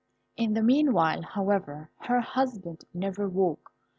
In the meanwhile, however, her husband never woke.